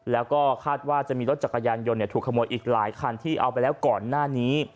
แล้วก็คาดว่าจะมีรถจักรยานยนต์ถูกขโมยอีกหลายคันที่เอาไปแล้วก่อนหน้านี้